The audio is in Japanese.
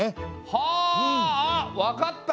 はああっわかった！